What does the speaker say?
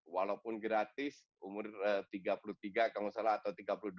walaupun gratis umur tiga puluh tiga kalau nggak salah atau tiga puluh dua